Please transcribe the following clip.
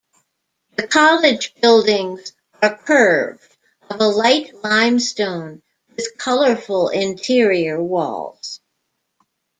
The College buildings are curved, of a light limestone with colourful interior walls.